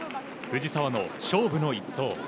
藤澤の勝負の１投。